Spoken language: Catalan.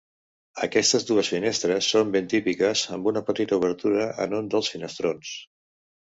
Aquestes dues finestres són ben típiques, amb una petita obertura en un dels finestrons.